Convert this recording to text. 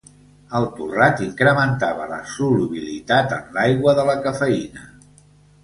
El torrat incrementava la solubilitat en l'aigua de la cafeïna.